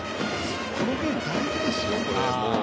このゲーム大事ですよ。